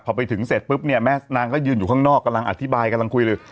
พอไปถึงเสร็จปุ๊บเนี่ยแม่นางก็ยืนอยู่ข้างนอกกำลังอธิบายกำลังคุยเลย